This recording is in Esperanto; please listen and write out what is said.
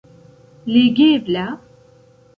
Legebla?